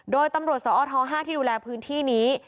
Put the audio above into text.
โดยตำรวจสอท๕ที่ดูแลพื้นที่นี้